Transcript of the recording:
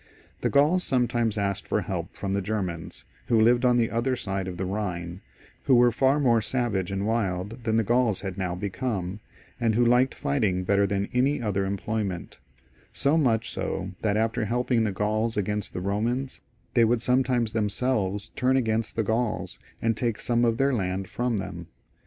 The Gauls sometimes asked for help from the Germans who lived on the other side of the Khine, who were far more savage and wild than the Gauls had now become, and who liked fighting better than any other employment ; so much so, that after helping the Gauls against the Eomans, they would sometimes themselves turn against the Gauls, and take some of their land &om them.